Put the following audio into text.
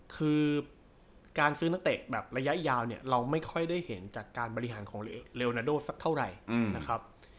คือการซื้อนักเตะระยะยาวเราไม่ค่อยได้เห็นจากการบริหารของเรอโนโดสักเท่าไหร่